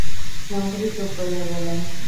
মন্ত্রী চুপ করিয়া গেলেন।